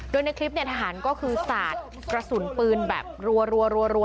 โดยในคลิปเนี่ยทหารก็คือสาดกระสุนปืนแบบรัว